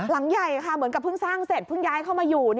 หลังใหญ่ค่ะเหมือนกับเพิ่งสร้างเสร็จเพิ่งย้ายเข้ามาอยู่